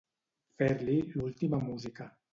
Fer-li l'última música.